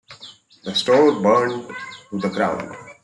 The store burned to the ground.